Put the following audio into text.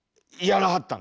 やらはった。